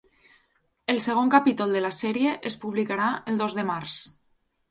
El segon capítol de la sèrie es publicarà el dos de març.